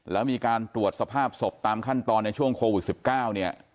แล้วมีการตรวจสภาพศพตามขั้นตอนในช่วงโควิด๑๙เนี่ย